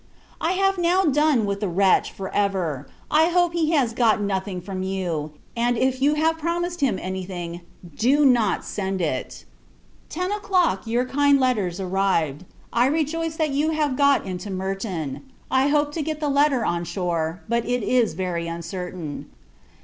I have now done with the wretch, for ever. I hope he has got nothing from you; and, if you have promised him any thing, do not send it. Ten o'Clock. Your kind letters are arrived. I rejoice that you have got into Merton. I hope to get the letter on shore; but, it is very uncertain.